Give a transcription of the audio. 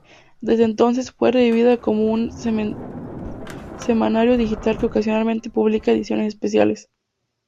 Desde entonces fue revivida como un semanario digital que ocasionalmente publica ediciones especiales.